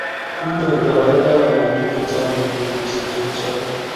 Kinyor boroindo konai bik chechomei betusiek cheuchuto